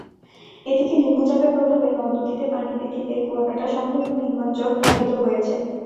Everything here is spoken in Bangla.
এদিকে নিম্নচাপের প্রভাবে নদ-নদীতে পানি বৃদ্ধি পেয়ে কুয়াকাটা-সংলগ্ন নিম্নাঞ্চল প্লাবিত হয়েছে।